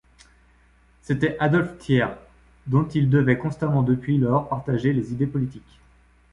C'était Adolphe Thiers, dont il devait constamment depuis lors partager les idées politiques.